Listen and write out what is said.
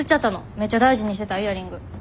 めっちゃ大事にしてたイヤリング。